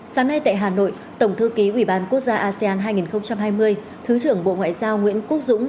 sáng nay tại hà nội tổng thư ký ủy ban quốc gia asean hai nghìn hai mươi thứ trưởng bộ ngoại giao nguyễn quốc dũng